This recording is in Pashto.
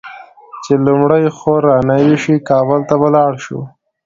چې لومړۍ خور رانوې شي؛ کابل ته به ولاړ شو.